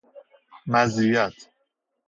مزیت